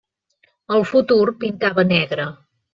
El futur pintava negre.